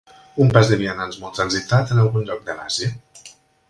Un pas de vianants molt transitat, en algun lloc de l'Àsia.